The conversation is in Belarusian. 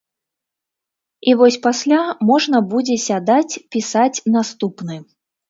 І вось пасля можна будзе сядаць пісаць наступны.